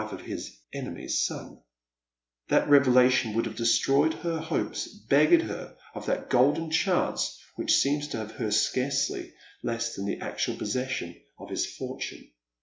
fe of his enemy's son ? That revelation would have destroyed her hopes, beggared her of that golden chance which seems to her scarcely less than the actual possession of liis fortune.